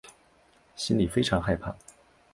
心里非常害怕